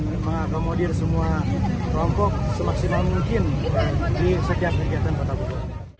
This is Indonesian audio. mengakomodir semua rompok semaksimal mungkin di setiap kegiatan kota bogor